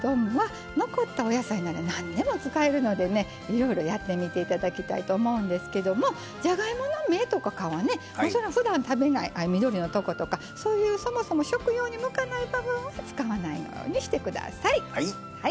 いろいろやってみて頂きたいと思うんですけどもじゃがいもの芽とか皮ねふだん食べない緑のとことかそういうそもそも食用に向かない部分は使わないようにして下さい。